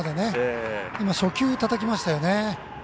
今、初球をたたきましたよね。